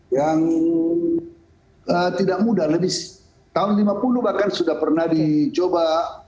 yang tidak mudah tahun seribu sembilan ratus lima puluh bahkan sudah pernah dicoba